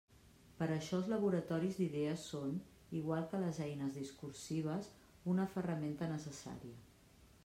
Per això els laboratoris d'idees són, igual que les eines discursives, una ferramenta necessària.